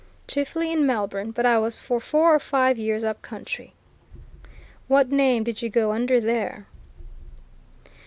"Chiefly in Melbourne. But I was for four or five years up country." "What name did you go under there?"